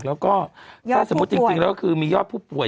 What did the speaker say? แล้วก็ถ้าสมมุติจริงแล้วก็คือมียอดผู้ป่วย